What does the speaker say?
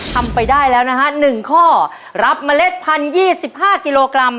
ทำไปได้แล้วนะฮะ๑ข้อรับเมล็ดพัน๒๕กิโลกรัม